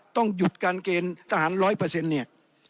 ต้องหยุดการเกณฑ์ทหาร๑๐๐เนี่ย